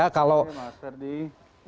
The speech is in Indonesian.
selamat sore mas serdi